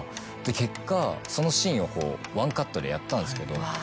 結果そのシーンをこうワンカットでやったんですけど。